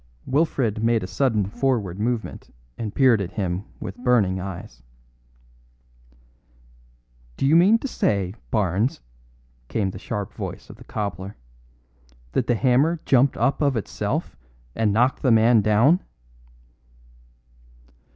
Wilfred made a sudden forward movement and peered at him with burning eyes. "Do you mean to say, Barnes," came the sharp voice of the cobbler, "that the hammer jumped up of itself and knocked the man down?"